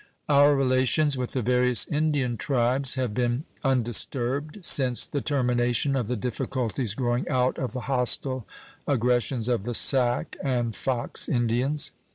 Our relations with the various Indian tribes have been undisturbed since the termination of the difficulties growing out of the hostile aggressions of the Sac and Fox Indians.